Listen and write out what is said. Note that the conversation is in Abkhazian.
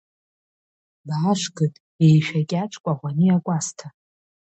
Баашгыд, еишәа кьаҿ Кәаӷәаниа Кәасҭа!